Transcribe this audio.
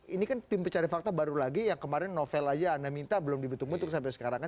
ini kan tim pencari fakta baru lagi yang kemarin novel aja anda minta belum dibentuk bentuk sampai sekarang